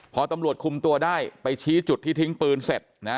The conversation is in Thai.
พอตำรวจคุมตัวได้ไปชี้จุดที่ทิ้งปืนเสร็จนะ